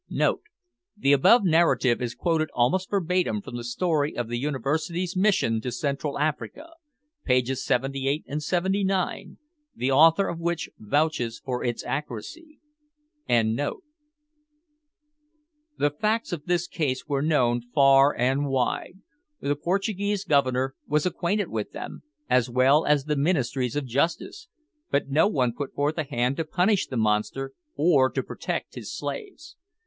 [The above narrative is quoted almost verbatim from The Story of the Universities' Mission to Central Africa, pages 78 and 79, the author of which vouches for its accuracy.] The facts of this case were known far and wide. The Portuguese Governor was acquainted with them, as well as the ministers of justice, but no one put forth a hand to punish the monster, or to protect his slaves.